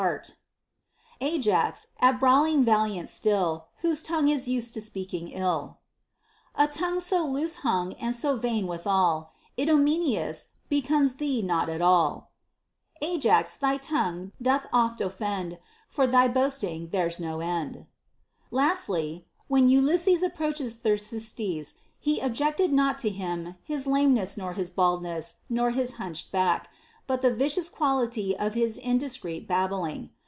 II. 173; VII. 47; XIX. 216; XI. 608. 90 HOW A YOUNG MAN OUGHT Ajax, at brawling valiant still, Whose tongue is used to speaking ill ; A tongue so loose hung, and so vain withal, Idomeneus, becomes thee not at all ; Ajax, thy tongue doth oft offend; For of thy boasting there's no end.* Lastly, when Ulysses reproacheth Thersites, he objecteth not to him his lameness nor his baldness nor his hunched back, but the vicious quality of indiscreet babbling.